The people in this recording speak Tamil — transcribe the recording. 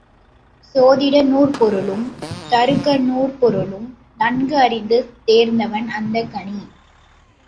சோதிடநூற் பொருளும் தருக்க நூற்பொருளும் நன்குஅறிந்து தேர்ந்தவன் அந்தக் கணி.